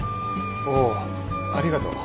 おおありがとう。